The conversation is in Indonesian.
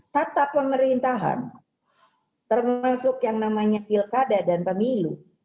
tata pemerintahan termasuk yang namanya pilkada dan pemilu